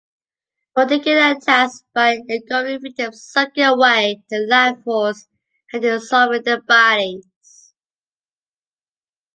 Mordiggian attacks by engulfing victims, sucking away their life force, and dissolving their bodies.